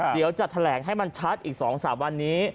เดี๋ยวจะแถลงให้มันชัดอีก๒๓วันนี้